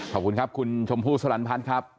ขอบคุณครับคุณชมพู่สลันพัฒน์ครับ